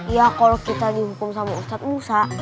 ya kalau kita dihukum sama ustadz musa